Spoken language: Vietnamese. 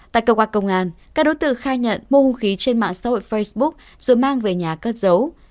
tại cơ quan công an các đối tượng khai nhận mua hung khí trên mạng xã hội facebook rồi mang về nhà cất giấu